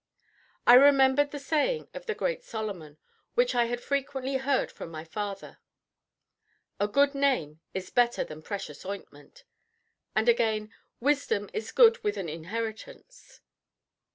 I remembered the saying of the great Solomon, which I had frequently heard from my father, "A good name is better than precious ointment"; and again, "Wisdom is good with an inheritance."